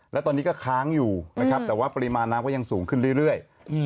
แล้วตอนนี้ก็ค้างอยู่นะครับแต่ว่าปริมาณน้ำก็ยังสูงขึ้นเรื่อย